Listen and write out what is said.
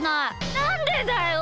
なんでだよ！